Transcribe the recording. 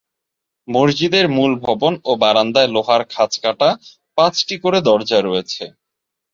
মসজিদের মূল ভবন ও বারান্দায় লোহার খাঁজকাটা পাঁচটি করে দরজা রয়েছে।